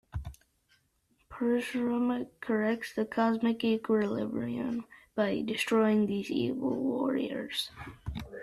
Parashurama corrects the cosmic equilibrium by destroying these evil warriors.